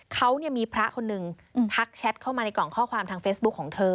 เขามีพระคนหนึ่งทักแชทเข้ามาในกล่องข้อความทางเฟซบุ๊คของเธอ